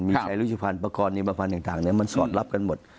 มีชัยรุชภัณฑ์ประกอบนี้ประมาณต่างมันสอดลับกันหมด